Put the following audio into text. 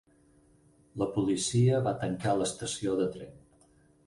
La policia va tancar l'estació de tren.